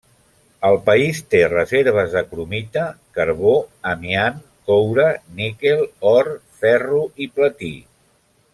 El país té reserves de cromita, carbó, amiant, coure, níquel, or, ferro i platí.